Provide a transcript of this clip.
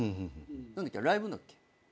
ライブのだっけ？